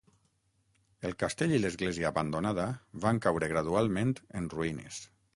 El castell i l'església abandonada van caure gradualment en ruïnes.